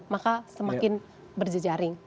maka semakin berjejaring